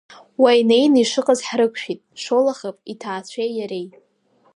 Уа инеины ишыҟаз ҳрықәшәеит Шолохов иҭаацәеи иареи.